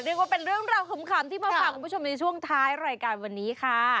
เรียกว่าเป็นเรื่องราวขำที่มาฝากคุณผู้ชมในช่วงท้ายรายการวันนี้ค่ะ